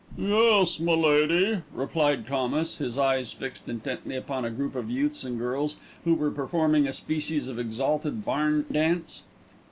"Yes, m'lady," replied Thomas, his eyes fixed intently upon a group of youths and girls who were performing a species of exalted barn dance.